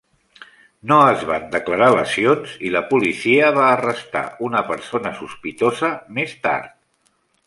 No es van declarar lesions i la policia va arrestar una persona sospitosa més tard.